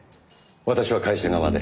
私は会社側で。